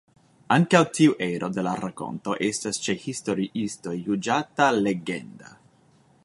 Ankaŭ tiu ero de la rakonto estas ĉe historiistoj juĝata legenda.